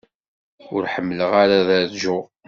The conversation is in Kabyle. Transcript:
Ur ḥemmleɣ ara ad rǧuɣ.